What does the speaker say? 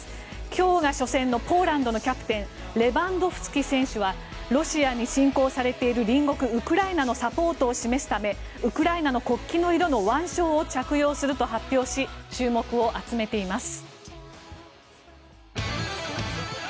今日が初戦のポーランドのキャプテンレバンドフスキ選手はロシアに侵攻されている隣国ウクライナのサポートを示すためウクライナの国旗の色の腕章を着用すると発表し注目を集めています。